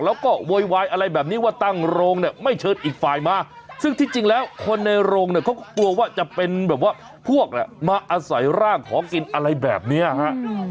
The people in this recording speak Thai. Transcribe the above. แล้วก็โวยวายอะไรแบบนี้ว่าตั้งโรงเนี่ยไม่เชิญอีกฝ่ายมาซึ่งที่จริงแล้วคนในโรงเนี่ยเขาก็กลัวว่าจะเป็นแบบว่าพวกมาอาศัยร่างขอกินอะไรแบบนี้ฮะ